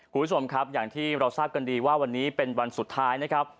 คุณผู้ชมครับอย่างที่เราทราบกันดีว่าวันนี้เป็นวันสุดท้ายนะครับ